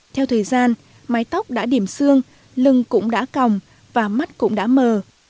theo thời gian mái tóc đã điểm xương lừng cũng đã còng và mắt cũng đã mờ